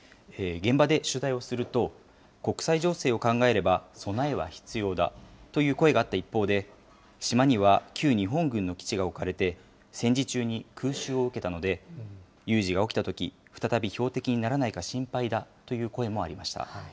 現場で取材をすると、国際情勢を考えれば備えは必要だという声があった一方で、島には旧日本軍の基地が置かれて、戦時中に空襲を受けたので、有事が起きたとき、再び標的にならないか、心配だという声もありました。